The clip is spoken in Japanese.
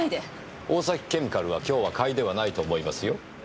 大崎ケミカルは今日は買いではないと思いますよ。